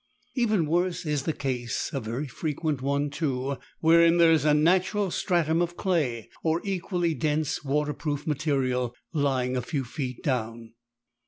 Even worse is the case a very frequent one too wherein there is a natural stratum of clay or equally dense waterproof material lying a few feet down.